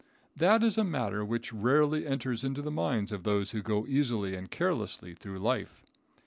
That is a matter which rarely enters into the minds of those who go easily and carelessly through life.